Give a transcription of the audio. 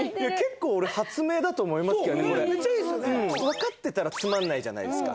わかってたらつまらないじゃないですか。